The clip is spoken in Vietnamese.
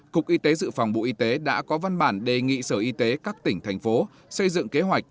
cục y tế dự phòng bộ y tế đã có văn bản đề nghị sở y tế các tỉnh thành phố xây dựng kế hoạch